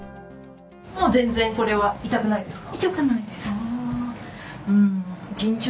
もう全然これは痛くないですか？